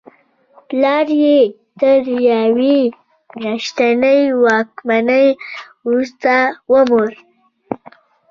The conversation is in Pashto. پلار یې تر یوې میاشتنۍ واکمنۍ وروسته ومړ.